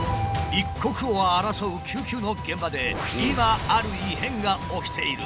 一刻を争う救急の現場で今ある異変が起きている。